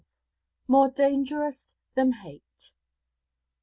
'MORE DANGEROUS THAN HATE.'